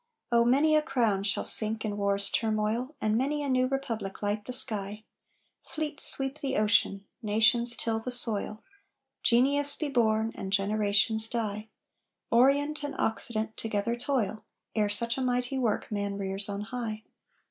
Oh, many a crown shall sink in war's turmoil, And many a new republic light the sky, Fleets sweep the ocean, nations till the soil, Genius be born and generations die, Orient and Occident together toil, Ere such a mighty work man rears on high!